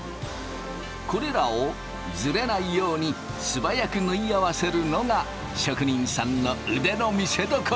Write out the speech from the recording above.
これらをずれないように素早く縫い合わせるのが職人さんの腕の見せどころ。